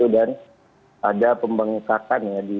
dan ada pembangkakan ya